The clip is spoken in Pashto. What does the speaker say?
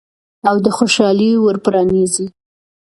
او د خوشحالۍ ور پرانیزئ.